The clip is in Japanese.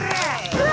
うわ！